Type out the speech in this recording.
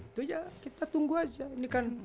itu ya kita tunggu aja